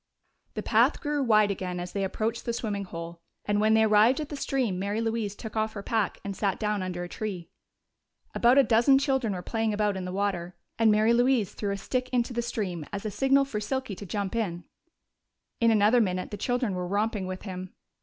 The path grew wide again as they approached the swimming hole, and when they arrived at the stream Mary Louise took off her pack and sat down under a tree. About a dozen children were playing about in the water, and Mary Louise threw a stick into the stream as a signal for Silky to jump in. In another minute the children were romping with him.